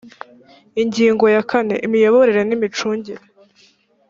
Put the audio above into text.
ngingo ya kane imiyoborere n imicungire